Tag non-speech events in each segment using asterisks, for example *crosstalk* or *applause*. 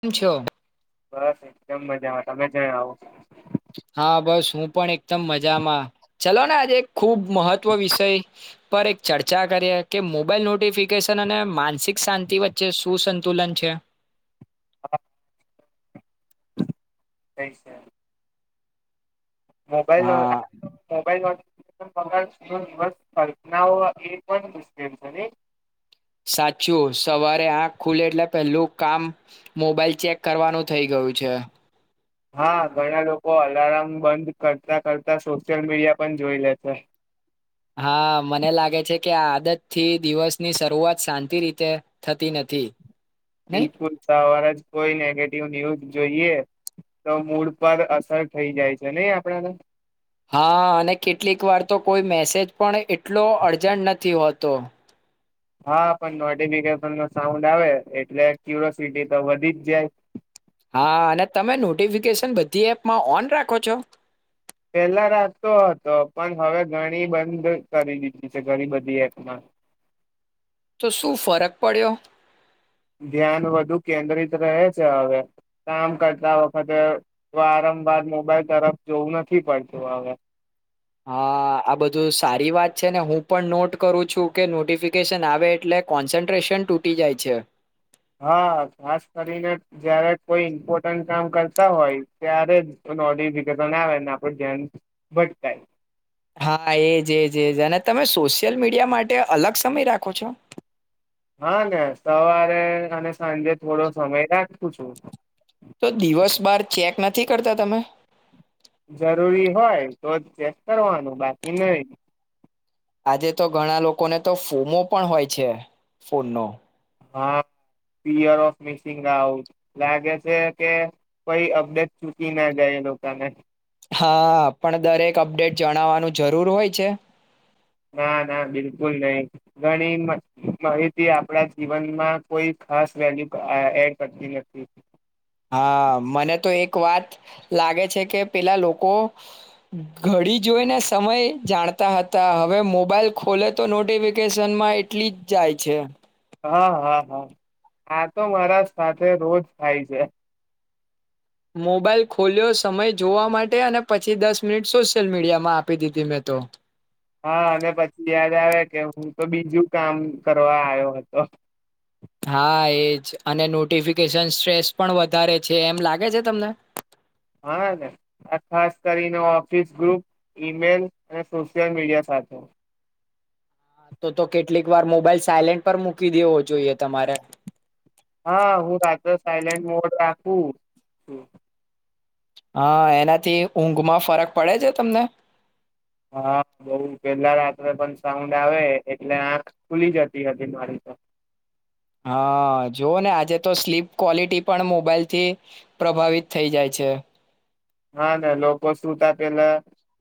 શમ છો બસ એકદમ મજામાં તમે જ આવો હા બસ હું પણ એકદમ મજામાં ચલો ને આજે ખુબ મહત્વ વિષય પર એક ચર્ચા કરીએ કે મોબાઈલ નોટિફિકેશન અને માનસિક શાંતિ વચ્ચે સુું સંતુલન છે હા કઈ છે મોબાઈલ હા ન મોબલ નોટફિકન પગારૂ નવ એ પણ બુજ છે સાચું સવારે આંખ ખુલે એટલે પહેલું કામ મોબાઈલ ચેક કરવાનું થઈ ગયું છે હા ઘણા લોકો અલાર્મ બંધ કરતા કરતા સોશિયલ મીડિયા પણ જોઈ લે છે હા મને લાગે છે કે આ આદત થી દિવસની શરૂઆત શાંતિ રીતે થતી નથી નહી બિલકુલ સવારે જ કોઈ નેગેટિવ ન્યૂઝ જોઈએ તો મૂડ પર અસર થઇ જાય છે નહી આપણાને હા અને કેટલીક વાર તો કોઈ મેસેજ પણ એટલો અર્જન્ટ નથી હોતો હા પણ નોટિફિકેશન ન સાઉન્ડ આવે એટલે કુરોસિટી તો વધી જ જાય હા અને તમે નોટિફિકેશન બધી એપમાં ઓન રાખો છો પેલા રાતતો હતો પણ હવે ઘણી બંધ કરી દીધી છે ઘણી બધી એપમાં તો શું ફરક પડ્યો ધ્યાન વધુ કેન્દ્રિત રહે છે હવે કામ કરતા વખતે વારંવાર મોબાઈલ તરફ જોવું નથી પડતું હવે હા આ બધું સારી વાત છે ને હું પણ નોટ કરું છું કે નોટિફિકેશન આવે એટલે કોન્સન્ટ્રેશન તૂટી જાય છે હા ખાસ કરીને જયારે કોઈ ઇમ્પોર્ટન્ટ કામ કરતા હોય ત્યારે જ નોટિફિકેશન આવેને આપડ ધ્યાન ભટકાય હા એજ એજજ અને તમે સોશિયલ મીડિયા માટે અલગ સમય રાખો છો હા ને સવારે અને સાંજે થોડો સમય રાખું છું તો દિવસ બાર ચેક નથી કરતા તમે જરૂરી હોય તો જ ચેક કરવાનું બાકી નહી આજે તો ઘણા લોકોને તો ફોમો પણ હોય છે ફોનનો હા પીયર ઓફ મિસિંગ આઉટ લાગે છે કે કોઈ અપડેટ ચુકી ના જાય એ લોકોને હા પણ દરેક અપડેટ જણાવવાનું જરૂર હોય છે ના ના બિલકુલ નહી ઘણી માહિતી આપણા જીવનમાં કોઈ ખાસ વેલ્યુ એડ કરતી નથી હા મને તો એક વાત લાગે છે કે પેલા લોકો ઘડી જોઈને સમય જાણતા હતા હવે મોબાઈલ ખોલે તો નોટિફિકેશનમાં એટલી જ જાય છે હા હા હા આ તો મારા સાથે રોજ થાય છે મોબાઈલ ખોલ્યો સમય જોવા માટે અને પછી દસ મિનિટ સોશિયલ મીડિયામાં આપી દીધી મેં તો હા અને પછી યાદ આવે કે હું તો બીજું કામ કરવા આવ્યો હતો હા એજ અને નોટિફિકેશન સ્ટ્રેસ પણ વધારે છે એમ લાગે છે તમને હાને ખાસ કરીને ઓફિસ ગ્રુપ ઈમેલ અને સોશિયલ મીડિયા સાથે તો તો કેટલીક વાર મોબાઈલ સાયલેન્ટ પર મૂકી દેવો જોઈએ તમારે હા હું રાત્રો સાયલેન્ટ મોડ રાખું હા એનાથી ઊંઘ માં ફરક પડે છે તમને હા બઉ પેલા રાત્રે પણ સાઉન્ડ આવે એટલે આંખ ખુલી જતી હતી મારી તો હા જોુવ ને આજે તો સ્લીપ ક્વોલિટી પણ મોબાઈલ થી પ્રભાવિત થઈ જાય છે હા ના લોકો સુતા પેલા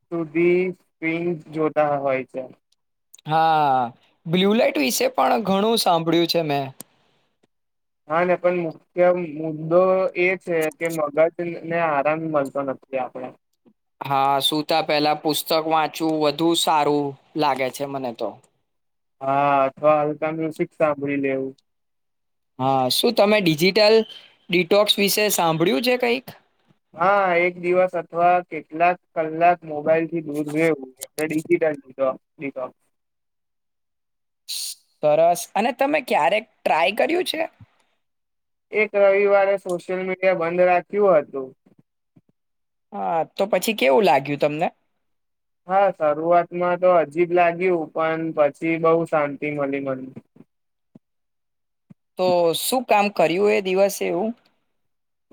સુધી સ્પિંગ જોતા હોય છે હા બ્લુ લઈટ વિશે પણ ઘણું સાંભળ્યું છે મેં હા ના પણ મુખ્ય મુદ્દો એ છે કે મગજ ને આરામ મળતો નથી આપડ હા સુુંતા પેલા પુસ્તક વાંચવું વધુ સારું લાગે છે મને તો હા અથવા હલકા મ્યુઝિક સાંભળી લેવું હા શું તમે ડિજિટલ ડિટોક્સ વિશે સાંભળ્યું છે કઈક હા એક દિવસ અથવા કેટલાક કલાક મોબાઈલ થી દૂર એવું *inaudible* સરસ અને તમે ક્યારેક ટ્રાય કર્યું છે એક રવિવારે સોશિયલ મીડિયા બંધ રાખ્યું હતું હા તો પછી કેવું લાગ્યું તમને હા શરૂઆતમાં તો હજીબ લાગ્યું પણ પછી બહુ શાંતિ મળી મને તો શું કામ કર્યું એ દિવસે એવું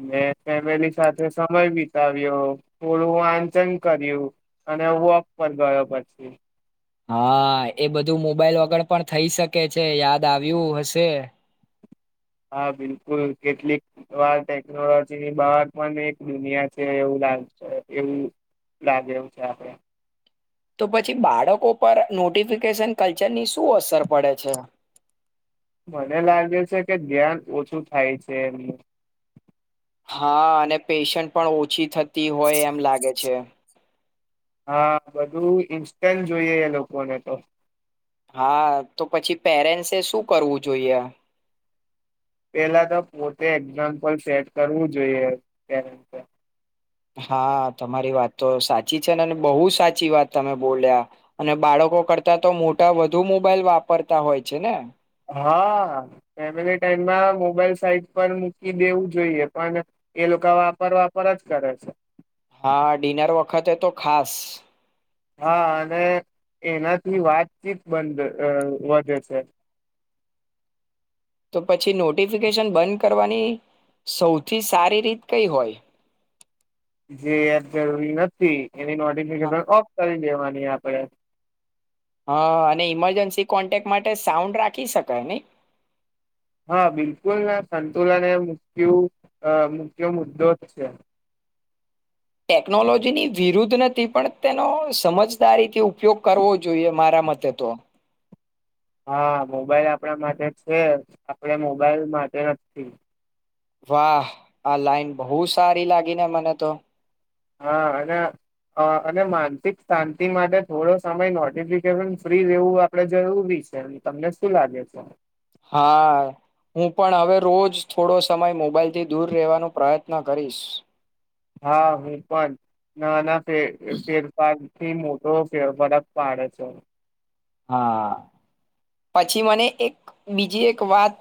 મે ફેમિલી સાથે સમય વિતાવ્યો થોડું વાંચન કર્યું અને વોક પર ગયો પછી હા એ બધું મોબાઈલ વગર પણ થઈ શકે છે યાદ આવ્યું હશે હા બિલકુલ કેટલીક વાર ટેકનોલોજીની બાબત પણ એક દુનિયા છે એવું એવું લાગે છે આપડે તો પછી બાળકો પર નોટિફિકેશન કલ્ચરની શું અસર પડે છે મને લાગે છે કે ધ્યાન ઓછું થાય છે એમનું હા અને પેશન્ટ પણ ઓછી થતી હોય એમ લાગે છે *inaudible* હા બધું ઇન્સ્ટન્ટ જોઈએ એ લોકોને તો હા તો પછી પેરેન્ટસે શું કરવું જોઈએ પેલા તો પોતે એક્ઝામ્પલ સેટ કરવું જોઈએ તે હા તમારી વાત તો સાચી છે ને બહુ સાચી વાત તમે બોલ્યા અને બાળકો કરતા તો મોટા વધુ મોબાઈલ વાપરતા હોય છે ને હા ફેમિલી ટાઈમમાં મોબાઈલ સાઈટ પર મૂકી દેવું જોઈએ પણ એ લોકો વાપરવાપર જ કરે છે હા ડિનર વખતે તો ખાસ હા અને એનાથી વાતચીત બ વધે છે તો પછી નોટિફિકેશન બંધ કર સૌથી સારી રીત કઈ હોય જે યાર જરૂરી નથી એ નોટફિકેશન ઓફ કરી દે આપડે. હા અને ઈમરજન્સી કોન્ટેક માટે સાઉન્ડ રાખી શકાય નહી. હા બિલકુલ સંતુલન એ મુખ્યુ મુખ્ય મુદ્દો જ છે. ટેકનોલોજીની વિરુદ્ધ નથી પણ તેનો સમજદારીથી ઉપયોગ કરવો જોઈએ મારા મતે તો હા મોબાઈલ આપણા માટે છે આપડ મોબાઈલ માટે નથી. વાહ આ લાઈન બહુ સારી લાગી ને મને તો હા અને અને માનસિક શાંતિ માટે થોડો સમય નોટિફિકેશન ફ્રી રહેેવું આપડે જરૂરી છે તમને શું લાગે છે? હા હું પણ હવે રોજ થોડો સમય મોબાઈલ થી દૂર રહેવાનો પ્રયત્ન કરીશ. હા હું પણ ના ના ફ ફેર પાદ થી મોટો ફેરફરક પાડે છે. હા પછી મને એક બીજી એક વાત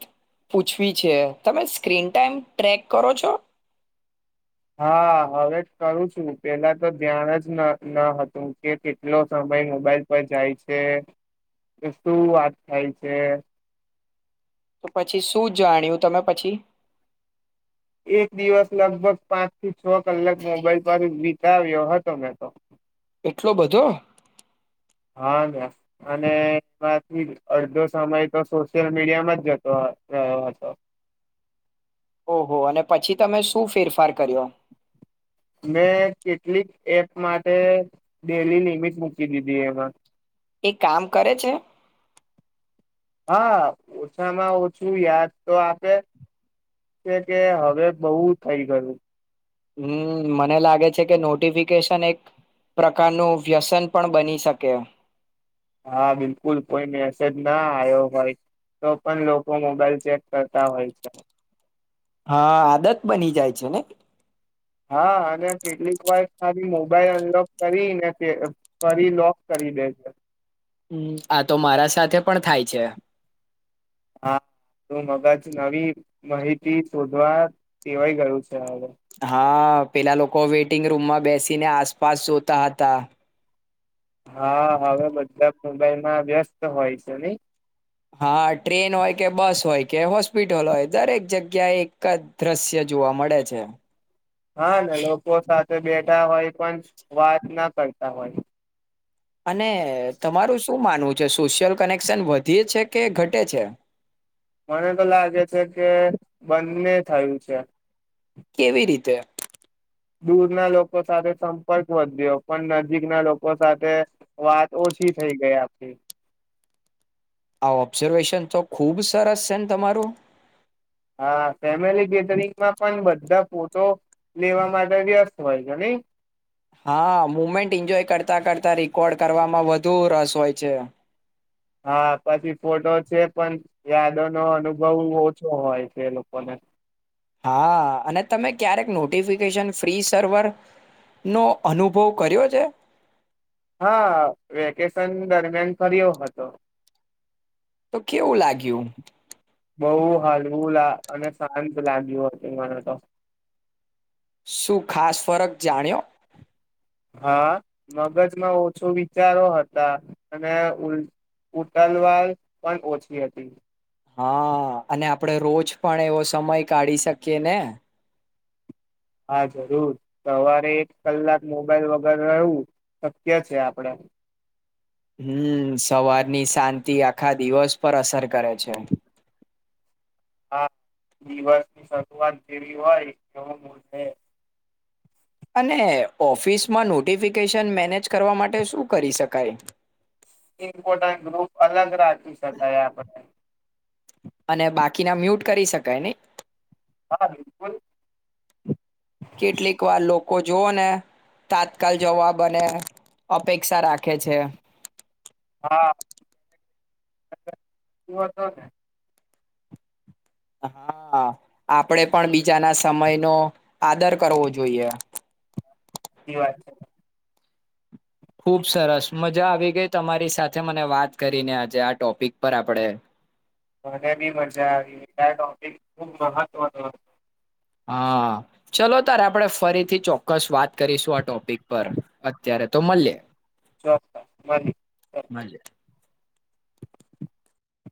પૂછવી છે તમે સ્ક્રીન ટાઈમ ટ્રેક કરો છો? હા હવે કરું છું પેલા તો ધ્યાન જ ન હતું કે કેટલો સમય મોબાઈલ પર જાય છે કે શું વાત થાય છે? તો પછી શું જાણ્યું તમે પછી? એક દિવસ લગભગ પાંચ થી છ કલાક મોબાઈલ પર વિતાવ્યો હતો મેં તો એટલો બધો? હા ને અને એમાંથી અડધો સમય તો સોશિયલ મીડિયામાં જ જતો રહ્યો હતો. ઓહો અને પછી તમે શું ફેરફાર કર્યો? મેં કેટલીક એપ માટે ડેલી લિમિટ મૂકી દીધી એમાં. એ કામ કરે છે? હા ઓછામાં ઓછું યાદ તો આપે કે કે હવે બહુ થઈ ગયું. હમ મને લાગે છે કે નોટિફિકેશન એક પ્રકારનું વ્યસન પણ બની શકે એમ. હા બિલકુલ કોઈ મેસેજ ના આવ્યો હોય તો પણ લોકો મોબાઈલ ચેક કરતા હોય છે. હા આદત બની જાય છે ને. હા અને કેટલીક વાર ખાલી મોબાઈલ અનલોક કરીને તે ફરી લોક કરી દે છે. હમ આ તો મારા સાથે પણ થાય છે. હા તું મગજ નવી માહિતી શોધવા દેવાય ગયું છે હવે હા પેલા લોકો વેઇટિંગ રૂમમાં બેસીને આસપાસ સોતા હતા. હા હવે બધા મોબાઈલ માં વ્યસ્ત હોય છે નઈ હા ટ્રેન હોય કે બસ હોય કે હોસ્પિટલ હોય દરેક જગ્યા એક જ દ્રશ્ય જોવા મળે છે. હા ન લોકો સાથે બેઠા હોય પણ વાત ના કરતા હોય. અને તમારું શું માનવું જ સોશિયલ કનેક્શન વધી છે કે ઘટે છે? મને તો લાગે છે કે બંને થયું છે. કેવી રીતે? દૂર ના લોકો સાથે સંપર્ક વધ્યો પણ નજીકના લોકો સાથે વાત ઓછી થઈ ગઈ આપડી. આ ઓબ્ઝર્વેશન તો ખૂબ સરસ છે ને તમારું. હા ફેમિલી ગેટરિંગમાં પણ બધા ફોટો લેવા માટે વ્યસ્ત હોય છે નઈ હા મુમેન્ટ એન્જોય કરતાં કરતા રેકોર્ડ કરવામાં વધુ રસ હોય છે. હા પછી ફોટો છે પણ યાદો નો અનુભવ ઓછો હોય છે એ લોકોને હા અને તમે ક્યારેક નોટિફિકેશન ફ્રી સર્વરનો અનુભવ કર્યો છે? હા વેકેશન દરમિયાન કર્યો હતો. તો કેવું લાગ્યું? બહુ હલવું લ અને શાંત લાગ્યું હતું મને તો. શું ખાસ ફરક જાણ્યો? હા મગજમાં ઓછો વિચારો હતા અને ઉટ ઉટલવાર પણ ઓછી હતી. હા અને આપડે રોજ પણ એવો સમય કાઢી શક્યા ને હા જરૂર સવારે એક કલાક મોબાઈલ વગર રહેવું શક્ય છે આપડે હમ સવારની શાંતિ આખા દિવસ પર અસર કરે છે આ દિવસની શરૂઆત કેવી હોય એવું મૂડ રે અને ઓફિસમાં નોટિફિકેશન મેનેજ કરવા માટે શું કરી શકાય ઈ *unintelligible* ગ્રુપ અલગ રાખ ખુશં થયા આપણે અને બાકીના મ્યુટ કરી શકાય ને હા બિલકુલ કેટલીક વાર લોકો લોકો જોઓ ને તાત્કાલ જવાબ અને અપેક્ષા રાખે છે હા હું હતોને હા આપણે પણ બીજાના સમય નો આદર કરવો જોઈએ એ વાત છે ખુબ સરસ મજા આવી ગઈ તમારી સાથે મને વાત કરીને આજે આ ટોપિક પર આપણેે મને બી મજા આવી આ ટોપિક ખુબ મહત્વનો હતો હા ચલો તારે આપણે ફરીથી ચોક્કસ વાત કરીશું આ ટોપિક પર અત્યારે તો મળીએ ચલ મળીએ